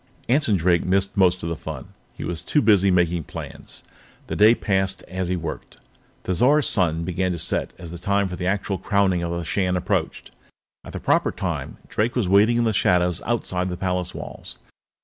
Anson Drake missed most of the fun; he was too busy making plans. The day passed as he worked. Thizar's sun began to set as the hour for the actual Crowning of the Shan approached. At the proper time, Drake was waiting in the shadows outside the palace walls.